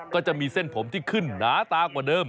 ก็จะมีเส้นผมที่ขึ้นหนาตากว่าเดิม